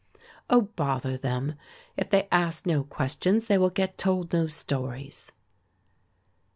"Oh, bother them; if they ask no questions they will get told no stories."